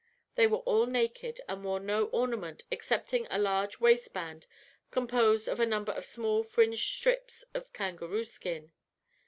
"They were all naked, and wore no ornament, excepting a large waistband, composed of a number of small fringed strips of kangaroo skin.